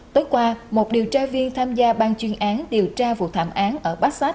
tối qua một điều tra viên tham gia ban chuyên án điều tra vụ thảm án ở bát sát